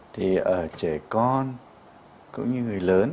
thì ở trẻ con cũng như người lớn